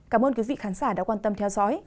cảm ơn quý vị khán giả đã quan tâm theo dõi